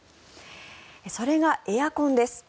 それがエアコンです。